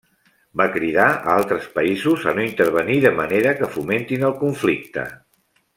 Va cridar a altres països a no intervenir de manera que fomentin el conflicte.